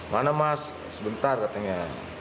mana mas sebentar katanya